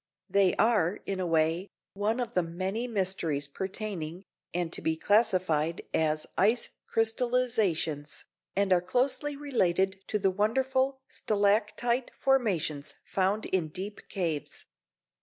They are, in a way, one of the many mysteries pertaining, and to be classed as ice crystallisations, and are closely related to the wonderful stalactite formations found in deep caves.